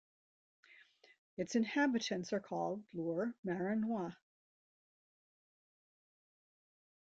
Its inhabitants are called "Lourmarinois".